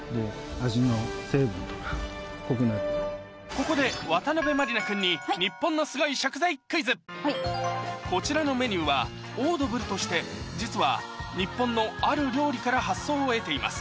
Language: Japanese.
ここで渡辺満里奈君にこちらのメニューはオードブルとして実は日本のある料理から発想を得ています